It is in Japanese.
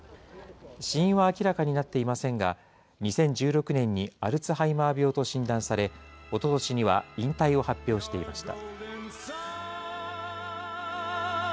死因は明らかになっていませんが、２０１６年にアルツハイマー病と診断され、おととしには引退を発表していました。